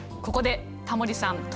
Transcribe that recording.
ここでタモリさん